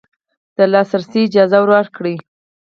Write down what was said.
د لاسرسي اجازه ورکړي